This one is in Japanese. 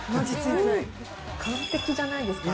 完璧じゃないですか？